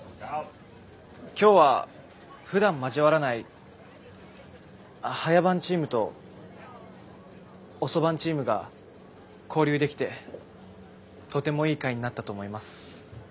今日はふだん交わらない早番チームと遅番チームが交流できてとてもいい会になったと思います。